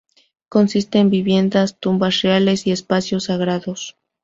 Consiste en viviendas, tumbas reales y espacios sagrados.